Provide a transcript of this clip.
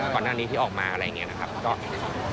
ก่อนหน้านี้ที่ออกมาอะไรอย่างนี้นะครับ